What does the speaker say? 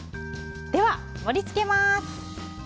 では、盛り付けます。